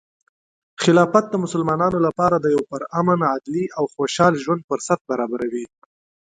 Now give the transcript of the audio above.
خلافت د مسلمانانو لپاره د یو پرامن، عدلي، او خوشحال ژوند فرصت برابروي.